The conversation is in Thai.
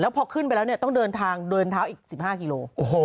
พอขึ้นไปแล้วเนี่ยต้องเดินทางเดินเท้าอีก๑๕กิโล